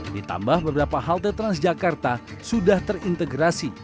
ditambah beberapa halte transjakarta sudah terintegrasi